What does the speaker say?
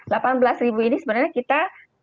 delapan belas ribu ini sebenarnya kita